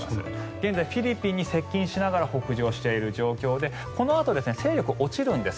現在フィリピンに接近しながら北上していてこのあと勢力が落ちるんです。